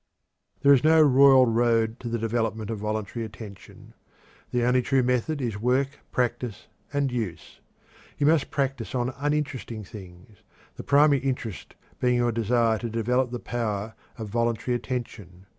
There is no royal road to the development of voluntary attention. The only true method is work, practice, and use. You must practice on uninteresting things, the primary interest being your desire to develop the power of voluntary attention.